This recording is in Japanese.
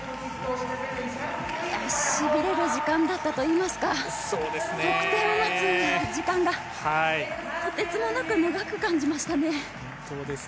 しびれる時間だったといいますか得点を待つ時間がとてつもなく長く感じましたね。